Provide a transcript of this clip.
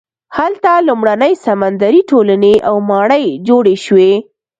هلته لومړنۍ سمندري ټولنې او ماڼۍ جوړې شوې.